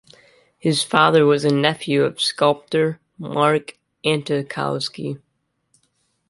His father was a nephew of sculptor Mark Antokolsky.